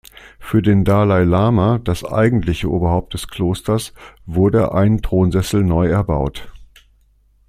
Für den Dalai Lama, das eigentliche Oberhaupt des Klosters, wurde ein Thronsessel neu erbaut.